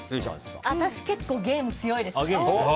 私は結構、ゲーム強いですね。